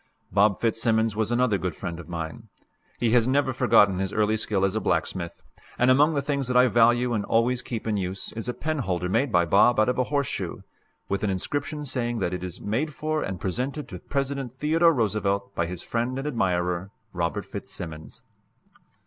Bob Fitzsimmons was another good friend of mine. He has never forgotten his early skill as a blacksmith, and among the things that I value and always keep in use is a penholder made by Bob out of a horseshoe, with an inscription saying that it is "Made for and presented to President Theodore Roosevelt by his friend and admirer, Robert Fitzsimmons."